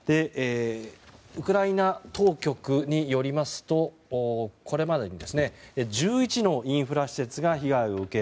ウクライナ当局によりますとこれまでに１１のインフラ施設が被害を受け